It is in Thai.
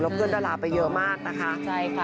และเพื่อนตลาดไปเยอะมากนะคะใช่ค่ะ